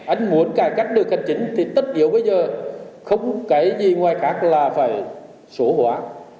anh muốn cải cách được hành chính thì tất yếu bây giờ không cái gì ngoài khác là phải số hóa